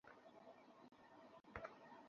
পানি খেয়ে ভাগো।